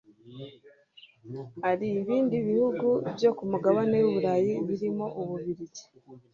Hari ibindi bihugu byo ku mugabane w’u Burayi birimo u Bubiligi